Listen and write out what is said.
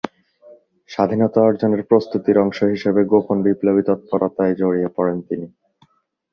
স্বাধীনতা অর্জনের প্রস্তুতির অংশ হিসেবে গোপন বিপ্লবী তৎপরতায় জড়িয়ে পড়েন তিনি।